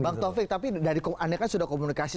bang tovik tapi aneh kan sudah komunikasi